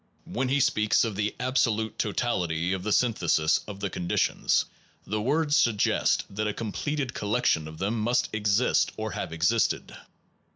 When he speaks of the * absolute totality of the synthesis of the conditions, the words suggest that a completed collection of them must exist or have existed.